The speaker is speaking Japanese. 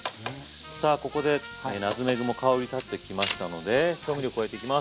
さあここでナツメグも香り立ってきましたので調味料を加えていきます。